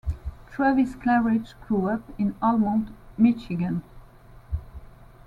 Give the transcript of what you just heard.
Travis Claridge grew up in Almont, Michigan.